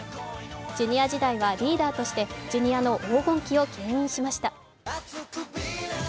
ジュニア時代はリーダーとしてジュニアの黄金期をけん引しました。